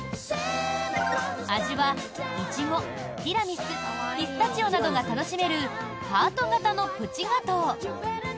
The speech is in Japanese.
味はイチゴ、ティラミスピスタチオなどが楽しめるハート形のプチガトー。